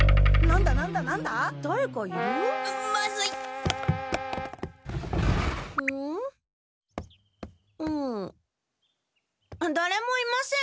だれもいません！